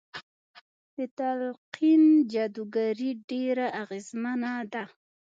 د تلقين جادوګري ډېره اغېزمنه ده.